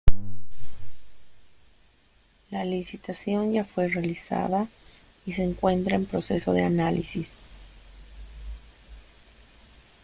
La licitación ya fue realizada y se encuentra en proceso de análisis.